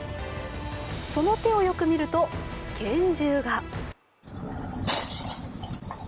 その手をよく見ると拳銃が。